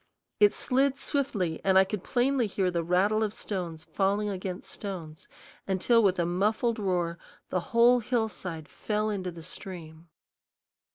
It slid swiftly, and I could plainly hear the rattle of stones falling against stones, until with a muffled roar the whole hillside fell into the stream.